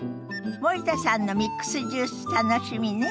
森田さんのミックスジュース楽しみね。